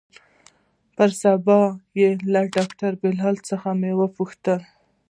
پر سبا يې له ډاکتر بلال څخه مې وپوښتل.